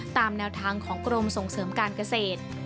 ตามแนวทางของกรมส่งเสริมการเกษตร